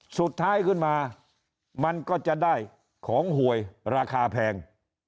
สุดท้ายขึ้นมามันก็จะได้ของหวยราคาแพง